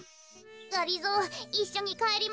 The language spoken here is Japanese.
がりぞーいっしょにかえりましょ。